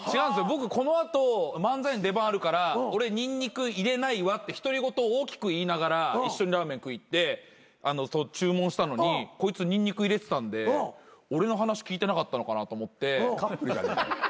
僕この後漫才の出番あるから「俺ニンニク入れないわ」って独り言大きく言いながら一緒にラーメン食い行って注文したのにこいつニンニク入れてたんで俺の話聞いてなかったのかなと思ってやだなと。